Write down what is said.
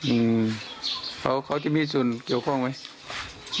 อืมเขาเขาจะมีส่วนเกี่ยวข้องไหม